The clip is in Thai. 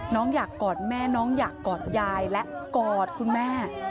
น้องอยากกอดแม่น้องอยากกอดยายและกอดคุณแม่